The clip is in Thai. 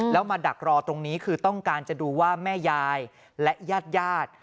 แล้วมาดักรอตรงนี้คือต้องการจะดูว่าแม่ยายและญาติญาติ